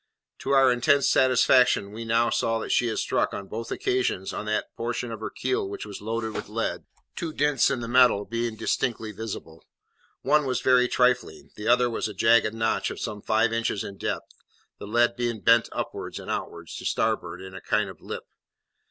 To our intense satisfaction, we now saw that she had struck, on both occasions, on that portion of her keel which was loaded with lead, two dints in the metal being distinctly visible. One was very trifling; the other was a jagged notch of some five inches in depth, the lead being bent upwards and outwards to starboard in a kind of lip.